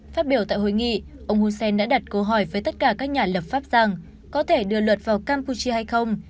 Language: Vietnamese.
phát biểu tại hội nghị ông hun sen đã đặt câu hỏi với tất cả các nhà lập pháp rằng có thể đưa luật vào campuchia hay không